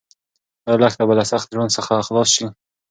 ایا لښته به له سخت ژوند څخه خلاص شي؟